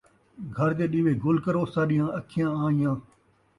گھر دے ݙیوے گُل کرو ، ساݙیاں اکھیاں آئیاں